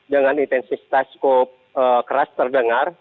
dengan intensitas keras terdengar